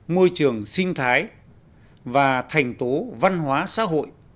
môi trường sinh thái và thành tố văn hóa xã hội